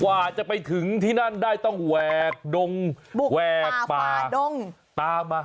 กว่าจะไปถึงที่นั่นได้ต้องแหวกดงแหวกป่าดงตามมา